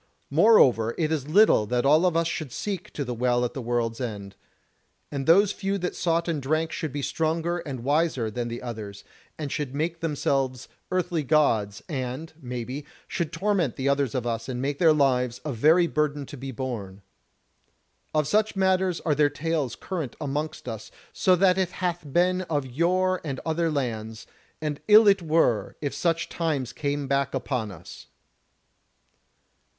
Moreover it is little that all of us should seek to the Well at the World's End; and those few that sought and drank should be stronger and wiser than the others, and should make themselves earthly gods, and, maybe, should torment the others of us and make their lives a very burden to be borne. Of such matters are there tales current amongst us that so it hath been of yore and in other lands; and ill it were if such times came back upon us."